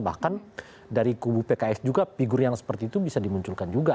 bahkan dari kubu pks juga figur yang seperti itu bisa dimunculkan juga